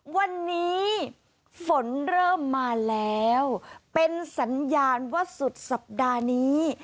วันนี้ฝนเริ่มมาแล้วเป็นสัญญาณว่าสุดสัปดาห์นี้